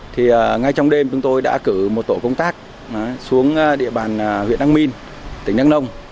thì ngay trong đêm chúng tôi đã cử một tổ công tác xuống địa bàn huyện đắk miêu tỉnh đắk nông